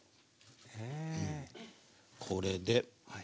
これで。